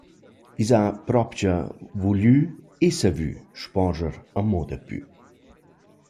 I s’ha propcha vuglü –e savü –spordscher amo daplü.